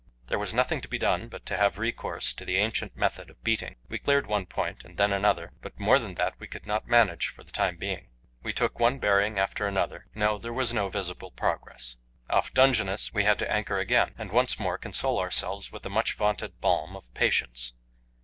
There was nothing to be done but to have recourse to the ancient method of beating. We cleared one point, and then another, but more than that we could not manage for the time being. We took one bearing after another; no, there was no visible progress. Off Dungeness we had to anchor again, and once more console ourselves with the much vaunted balm of patience.